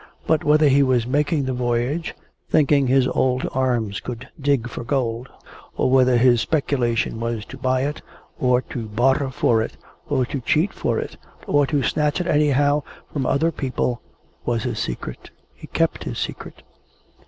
But, whether he was making the voyage, thinking his old arms could dig for gold, or whether his speculation was to buy it, or to barter for it, or to cheat for it, or to snatch it anyhow from other people, was his secret. He kept his secret.